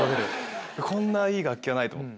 こんないい楽器はないと思って。